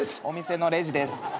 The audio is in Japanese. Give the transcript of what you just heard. お店のレジです。